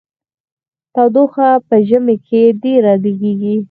تودوخه په ژمي کې ډیره لګیږي.